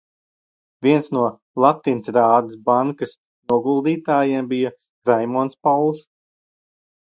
"Viens no "Latintrādes bankas" noguldītājiem bija Raimonds Pauls."